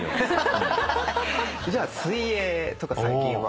じゃあ水泳とか最近は。